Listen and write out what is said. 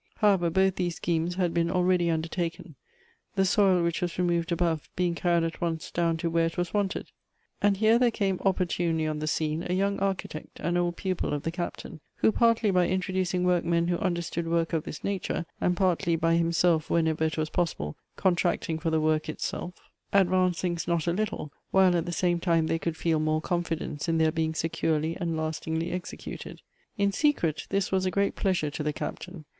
However, both these schemes had been already undertaken ; the soil which was removed above, being carried at once down to where it was wanted. And here there came oppor tunely on the scene a young architect, an old pupil of the Captain, who partly by introducing workmen who under stood work of this nature, and partly by himself, when ever it was possible, contracting for the work itself, 118 Goethe's advanced things not a little, while at the same time they could feel more confidence in their being securely and lastingly executed. In secret this was a great pleasure to the Captain.